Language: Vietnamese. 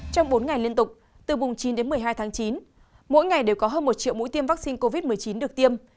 trong bốn ngày liên tục từ mùng chín đến một mươi hai tháng chín mỗi ngày đều có hơn một triệu mũi tiêm vaccine covid một mươi chín được tiêm